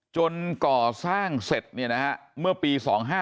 จนก่อสร้างเสร็จเนี่ยนะฮะเมื่อปี๒๕๔๒